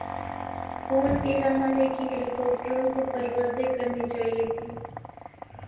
کون کہہ رہاہے کہ ہیلی کاپٹروں کو پروازیں کرنی چائیں تھیں۔